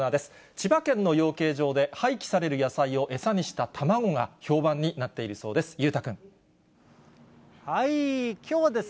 千葉県の養鶏場で、廃棄される野菜を餌にしたたまごが評判になっているそうです。